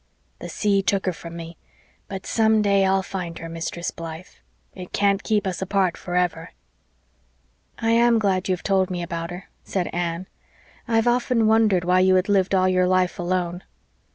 The sea took her from me, but some day I'll find her. Mistress Blythe. It can't keep us apart forever." "I am glad you have told me about her," said Anne. "I have often wondered why you had lived all your life alone."